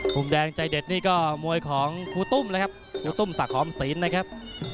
มุมแดงใจเด็ดนี่ก็มวยของครูตุ้มแล้วครับครูตุ้มศักดิ์หอมศีลนะครับ